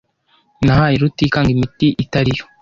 Nahaye Rutikanga imiti itari yo.